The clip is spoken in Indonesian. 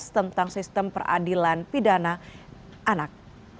tentang sistem peradilan pidana anak